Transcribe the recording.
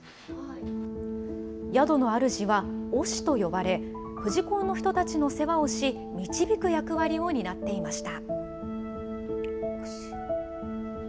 宿の主は御師と呼ばれ、富士講の人たちの世話をし、導く役割を担っていました。